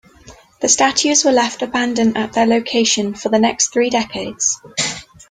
The statues were left abandoned at their location for the next three decades.